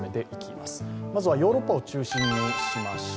まずはヨーロッパを中心にしました。